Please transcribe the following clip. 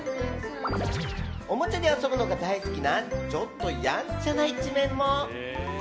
おもちゃで遊ぶのが大好きなちょっと、やんちゃな一面も。